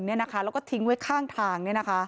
แล้วก็ทิ้งไว้ข้างทาง